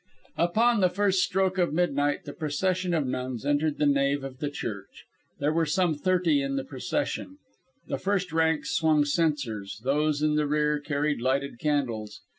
Upon the first stroke of midnight the procession of nuns entered the nave of the church. There were some thirty in the procession. The first ranks swung censers; those in the rear carried lighted candles.